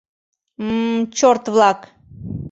М-м... чорт-влак!..